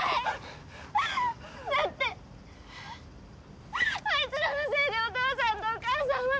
だってあいつらのせいでお父さんとお母さんは。